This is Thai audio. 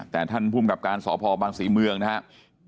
แต่ท่านพุ่มกับการสอบพ่อบางศรีเมืองนะครับ